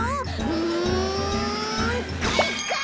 うんかいか！